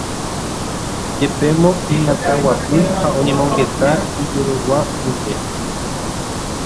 jepémo iñakãguapy ha oñemongeta ijereregua ndive.